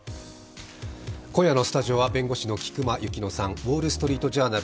今夜のスタジオは弁護士の菊間千乃さん、「ウォール・ストリート・ジャーナル」